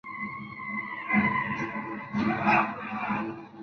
Entonces Warren intenta dispararle a Daisy, pero ya no tiene balas.